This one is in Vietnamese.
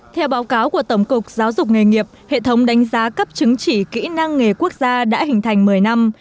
theo báo cáo của tổng cục giáo dục nghề nghiệp hệ thống đánh giá cấp chứng chỉ kỹ năng nghề quốc gia đã hình thành một mươi năm